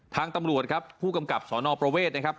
ทางตำรวจครับผู้กำกับสนประเวทนะครับ